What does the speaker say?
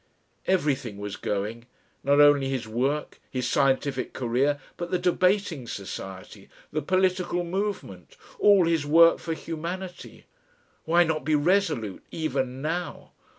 Everything was going. Not only his work his scientific career, but the Debating Society, the political movement, all his work for Humanity.... Why not be resolute even now?...